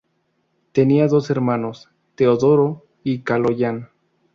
Tenía dos hermanos: Teodoro y Kaloyan.